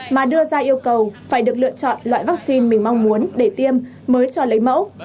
mà đưa ra yêu cầu phải được lựa chọn loại vaccine mình mong muốn để tiêm mới cho lấy mẫu